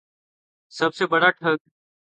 سب سے بڑا ٹھگ